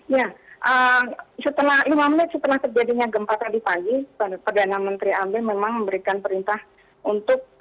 ya setelah terjadinya gempa tadi pagi perdana menteri amri memang memberikan perintah untuk